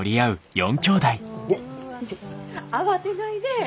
慌てないで。